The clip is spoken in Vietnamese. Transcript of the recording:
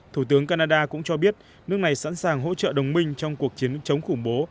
thủ tướng canada cũng cho biết nước này sẵn sàng hỗ trợ đồng minh trong cuộc chiến chống khủng bố